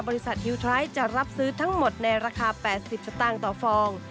ฮิวทรายจะรับซื้อทั้งหมดในราคา๘๐สตางค์ต่อฟอง